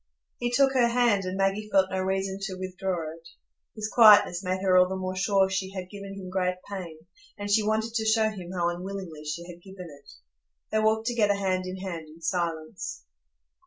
He took her hand, and Maggie felt no reason to withdraw it; his quietness made her all the more sure she had given him great pain, and she wanted to show him how unwillingly she had given it. They walked together hand in hand in silence.